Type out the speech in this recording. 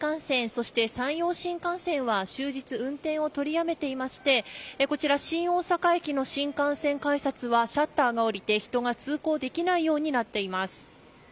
そして山陽新幹線は終日、運転を取りやめていましてこちら、新大阪駅の新幹線改札はシャッターが下りて、人が通行できないようになっています。